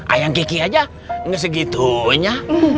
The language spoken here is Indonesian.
ayang kiki aja gak segitunya